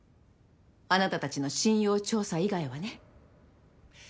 あなたたちの信用調査以外はね。